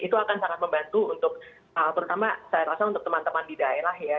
itu akan sangat membantu untuk terutama saya rasa untuk teman teman di daerah ya